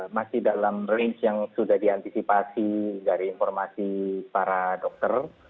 masih dalam range yang sudah diantisipasi dari informasi para dokter